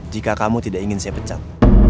jika kamu tidak ingin saya pecat